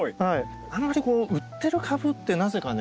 あんまり売ってる株ってなぜかね